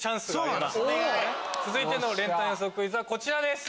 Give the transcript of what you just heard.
続いての連単予想クイズはこちらです。